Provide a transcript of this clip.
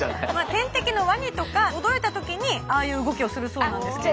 天敵のワニとか驚いた時にああいう動きをするそうなんですけれども。